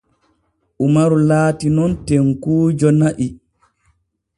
Umaru laati nun tenkuujo na'i.